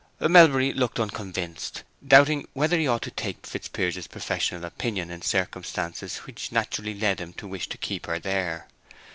Melbury looked unconvinced, doubting whether he ought to take Fitzpiers's professional opinion in circumstances which naturally led him to wish to keep her there.